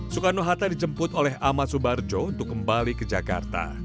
soekarno hatta dijemput oleh ahmad subarjo untuk kembali ke jakarta